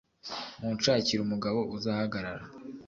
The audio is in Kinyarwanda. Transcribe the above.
munshakire umugabo uzahagarara